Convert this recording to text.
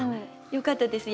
よかったです